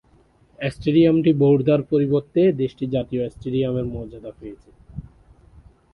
স্টেডিয়ামটি বোর্দা’র পরিবর্তে দেশটির জাতীয় স্টেডিয়ামের মর্যাদা পেয়েছে।